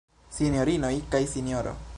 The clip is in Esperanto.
Sinjorinoj kaj Sinjoro.